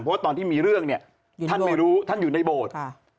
เพราะว่าตอนที่มีเรื่องเนี่ยท่านไม่รู้ท่านอยู่ในโบสถ์